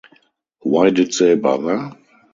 Why did they bother?